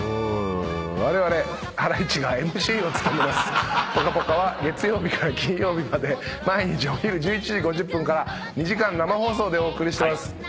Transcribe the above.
われわれハライチがＭＣを務めます『ぽかぽか』は月曜日から金曜日まで毎日お昼１１時５０分から２時間生放送でお送りしてます。